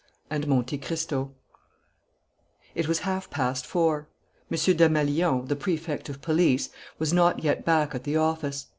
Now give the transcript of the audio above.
AND MONTE CRISTO It was half past four; M. Desmalions, the Prefect of Police, was not yet back at the office.